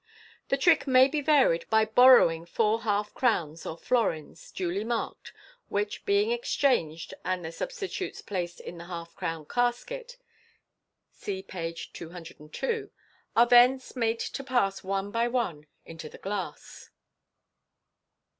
The trick may be varied by borrowing four half crowns or florins, duly marked, which, being exchanged, and their substitutes placed in the half crown casket (see page 202), are thence made to pass one by one into the glass.